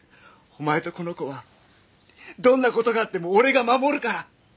お前とこの子はどんな事があっても俺が守るから。